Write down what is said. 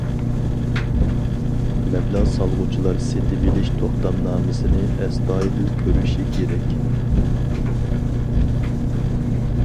مەبلەغ سالغۇچىلار سېتىۋېلىش توختامنامىسىنى ئەستايىدىل كۆرۈشى كېرەك.